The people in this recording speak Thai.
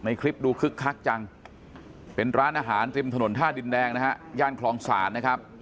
คลิปดูคึกคักจังเป็นร้านอาหารริมถนนท่าดินแดงนะฮะย่านคลองศาลนะครับ